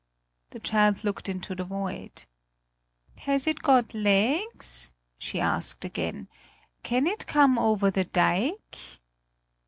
The child looked into the void: "Has it got legs?" she asked again; "can it come over the dike?"